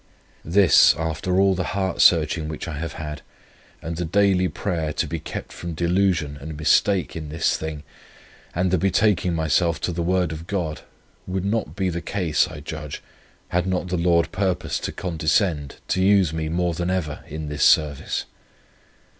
This, after all the heart searching which I have had, and the daily prayer to be kept from delusion and mistake in this thing, and the betaking myself to the Word of God, would not be the case, I judge, had not the Lord purposed to condescend to use me more than ever in this service.